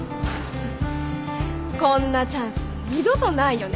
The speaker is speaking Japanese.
うんこんなチャンス二度とないよね。